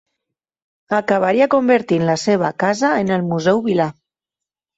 Acabaria convertint la seva casa en el Museu Vilà.